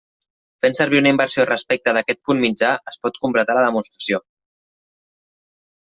Fent servir una inversió respecte d'aquest punt mitjà es pot completar la demostració.